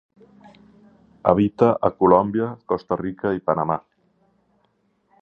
Habita a Colòmbia, Costa Rica i Panamà.